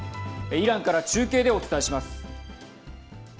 イランから中継でお伝えします。